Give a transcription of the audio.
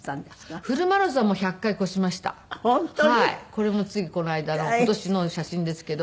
これもついこの間の今年の写真ですけど。